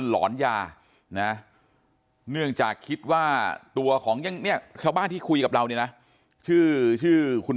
หลอนยาเนื่องจากคิดว่าตัวของบ้านที่คุยกับเรานี่นะชื่อคุณ